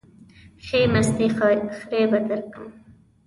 ښې مستې خرې به درکم.